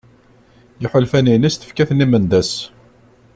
Iḥulfan-ines tefka-ten i Mendas.